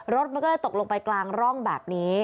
รถมันก็เลยตกลงไปกลางร่องแบบนี้